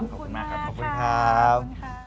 ขอบคุณมากครับ